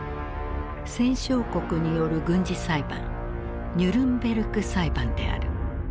戦勝国による軍事裁判ニュルンベルク裁判である。